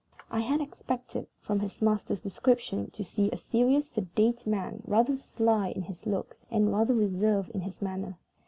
I had expected, from his master's description, to see a serious, sedate man, rather sly in his looks, and rather reserved in his manner.